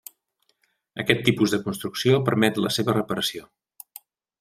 Aquest tipus de construcció permet la seva reparació.